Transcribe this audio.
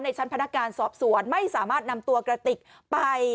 ชั้นพนักงานสอบสวนไม่สามารถนำตัวกระติกไป